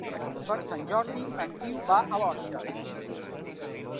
Per Sant Jordi en Guiu va a l'Orxa.